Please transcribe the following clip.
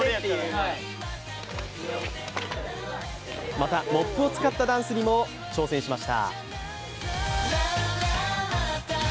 また、モップを使ったダンスにも挑戦しました。